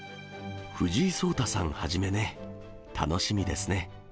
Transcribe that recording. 藤井聡太さんはじめね、楽しみですね。